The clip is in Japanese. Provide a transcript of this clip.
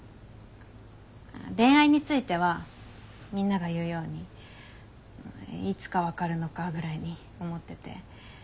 恋愛についてはみんなが言うようにいつか分かるのかぐらいに思ってて。